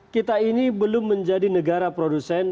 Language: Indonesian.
kita ini belum menjadi negara produsen